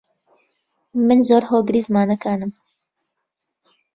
من زۆر هۆگری زمانەکانم.